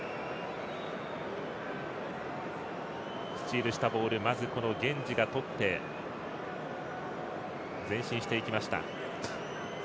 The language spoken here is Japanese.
スチールしたボールゲンジがとって前進していきました。